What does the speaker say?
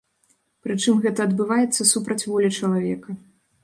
Прычым, гэта адбываецца супраць волі чалавека.